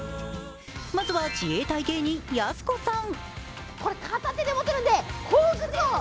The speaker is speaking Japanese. まずは自衛隊芸人・やす子さん。